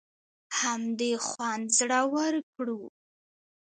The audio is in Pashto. همدې خوند زړور کړو.